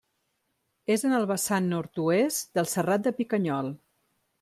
És en el vessant nord-oest del Serrat de Picanyol.